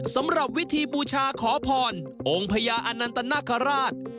สำหรับวิธีบูชาขอพรองค์พญาอนันตนาคาราช